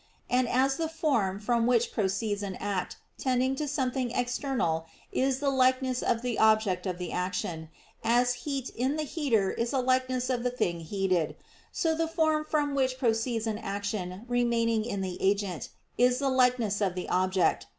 And as the form from which proceeds an act tending to something external is the likeness of the object of the action, as heat in the heater is a likeness of the thing heated; so the form from which proceeds an action remaining in the agent is the likeness of the object.